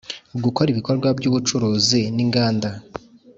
Gukora ibikorwa by ubucuruzi n inganda